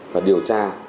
và điều tra